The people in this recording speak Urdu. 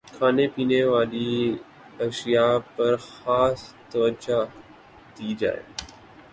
کھانے پینے والی اشیا پرخاص توجہ دی جائے